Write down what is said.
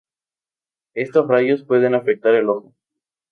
Estos rayos pueden afectar el ojo.